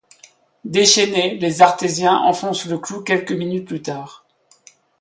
Déchaînés, les Artésiens enfoncent le clou quelques minutes plus tard.